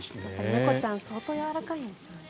猫ちゃん相当やわらかいんでしょうね。